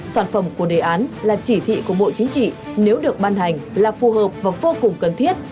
sản phẩm của đề án là chỉ thị của bộ chính trị nếu được ban hành là phù hợp và vô cùng cần thiết